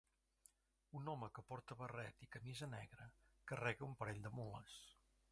Un home que porta barret i camisa negra carrega un parell de mules.